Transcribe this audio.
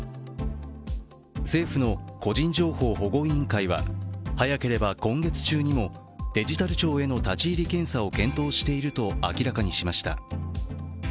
政府の個人情報保護委員会は早ければ今月中にもデジタル庁への立ち入り検査を検討していると明らかにしました。